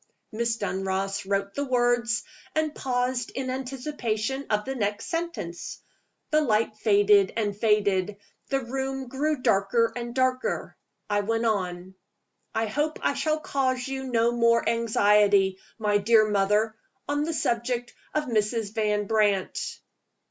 Miss Dunross wrote the words, and paused in anticipation of the next sentence. The light faded and faded; the room grew darker and darker. I went on. "I hope I shall cause you no more anxiety, my dear mother, on the subject of Mrs. Van Brandt."